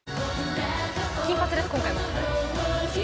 金髪です今回も。